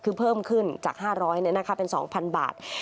คือเพิ่มขึ้นจาก๕๐๐เป็น๒๐๐บาท